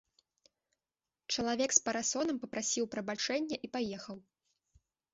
Чалавек з парасонам папрасіў прабачэння і паехаў.